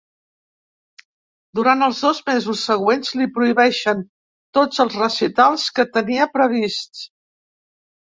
Durant els dos mesos següents, li prohibeixen tots els recitals que tenia prevists.